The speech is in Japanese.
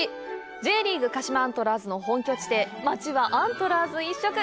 Ｊリーグ鹿島アントラーズの本拠地で町はアントラーズ一色！